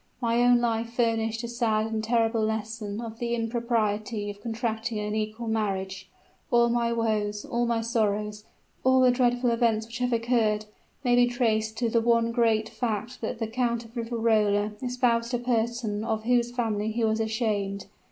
My own life furnished a sad and terrible lesson of the impropriety of contracting an unequal marriage. All my woes all my sorrows all the dreadful events which have occurred may be traced to the one great fact that the Count of Riverola espoused a person of whose family he was ashamed.